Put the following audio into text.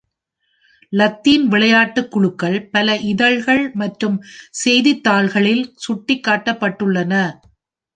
Latin விளையாட்டுக் குழுக்கள் பல இதழ்கள் மற்றும் செய்தித்தாள்களில் சுட்டிக்காட்டப்பட்டுள்ளன.